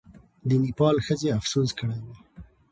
د نېپال ښځې افسوس کړی وو.